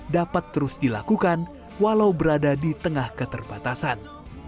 dapat terus dilakukan walau berada di tengah keterbatasan